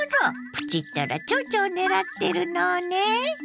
プチったらちょうちょを狙ってるのね。